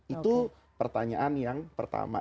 itu pertanyaan yang pertama